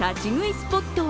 スポットは